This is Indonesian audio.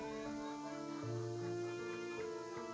tapi pada saat ini